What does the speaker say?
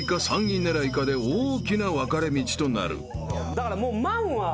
だからもう万は。